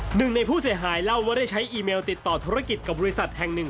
หนึ่งในผู้เสียหายเล่าว่าได้ใช้อีเมลติดต่อธุรกิจกับบริษัทแห่งหนึ่ง